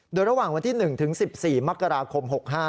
โดยระหว่างวันที่๑ถึง๑๔มกราคม๖๕